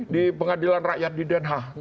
di pengadilan rakyat di den haag